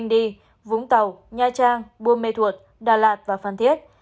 đi vũng tàu nha trang buôn mê thuột đà lạt và phan thiết